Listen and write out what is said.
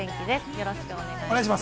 よろしくお願いします。